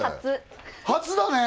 初初だね！